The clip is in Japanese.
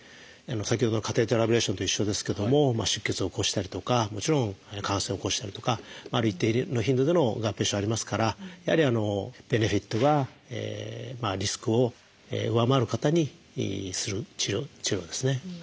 先ほどのカテーテルアブレーションと一緒ですけども出血を起こしたりとかもちろん感染を起こしたりとかある一定の頻度での合併症ありますからやはりベネフィットがリスクを上回る方にする治療法ですね。